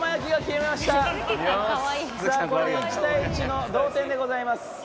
これで１対１の同点でございます。